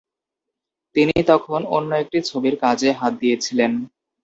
তিনি তখন অন্য একটি ছবির কাজে হাত দিয়েছিলেন।